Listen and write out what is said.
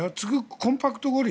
コンパクト五輪。